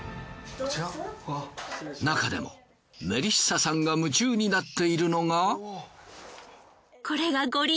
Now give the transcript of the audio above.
なかでもメリッサさんが夢中になっているのが。